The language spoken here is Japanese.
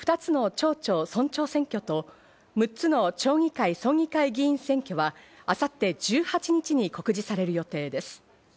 また都内の町長村長選挙と６つの町議会・村議会議員選挙は明後日１８日に告示される予定です。